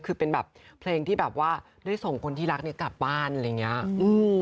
คือเป็นแบบเพลงที่แบบว่าได้ส่งคนที่รักเนี้ยกลับบ้านอะไรอย่างเงี้ยอืม